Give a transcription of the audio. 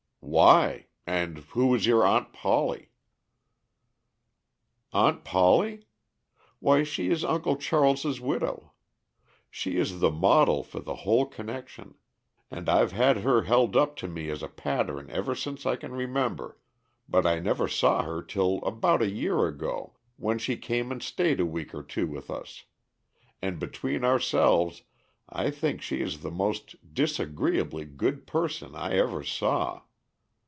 "Why? and who is your Aunt Polly?" "Aunt Polly? Why she is Uncle Charles's widow. She is the model for the whole connection; and I've had her held up to me as a pattern ever since I can remember, but I never saw her till about a year ago, when she came and staid a week or two with us; and between ourselves I think she is the most disagreeably good person I ever saw.